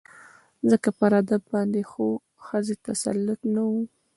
ځکه پر ادب باندې خو د ښځې تسلط نه و